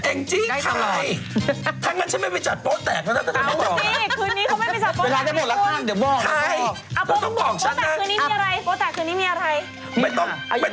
เองจี้ใครถ้างั้นฉันไม่ไปจัดโป้แตกแล้วนะแต่ต้องบอกนะ